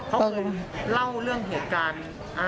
เค้าเนี่ยเล่าเหรื่องเหตุการณ์มาเกี่ยวไหน